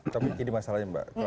tapi ini masalahnya mbak